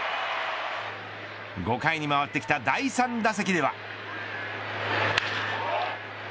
５回に回ってきた第３打席では。